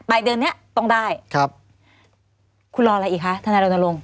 ปลายเดือนเนี้ยต้องได้ครับคุณรออะไรอีกฮะธนาโรนโลง